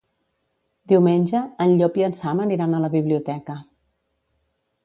Diumenge en Llop i en Sam aniran a la biblioteca.